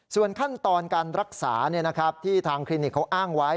ส่วนขั้นตอนการรักษาที่ทางคลินิกเขาอ้างไว้